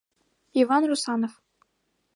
— Иван Русанов.